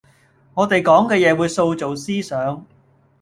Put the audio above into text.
我地講嘅嘢會塑造思想